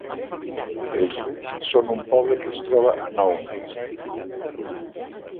Els Zuni són un poble que es troba a Nou Mèxic.